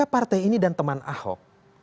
partai ini dan teman ahok